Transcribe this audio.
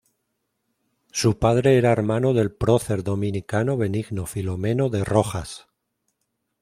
Su padre era hermano del prócer dominicano Benigno Filomeno de Rojas.